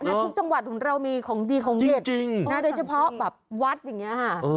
ทุกจังหวัดของเรามีของดีของเด็ดจริงนะโดยเฉพาะแบบวัดอย่างนี้ค่ะ